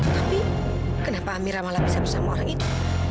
tapi kenapa amira malah bisa bersama orang itu